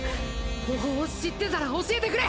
方法を知ってたら教えてくれ！